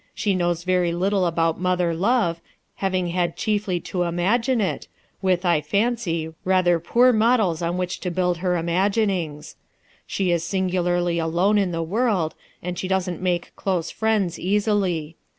She knows very little aljout mother love, having had chiefly to imagine it, with, I fancy, rather poor models on which to Imild her imaginings* She in Angularly alone in the world, and ehe doesn't make thm friends easily.